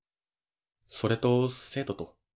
それと生徒と。